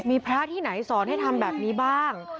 มีพระที่ไหนสอนให้ทำแบบนี้บ้าง